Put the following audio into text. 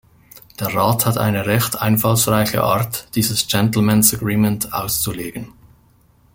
Der Rat hat eine recht einfallsreiche Art, dieses Gentlemen' s Agreement auszulegen.